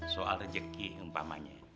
soal rejeki empamanya